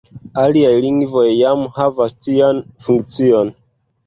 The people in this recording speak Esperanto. Aliaj lingvoj jam havas tian funkcion.